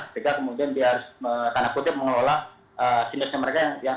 sehingga kemudian dia harus karena kutip mengelola sindik sindik mereka yang dalam hak haknya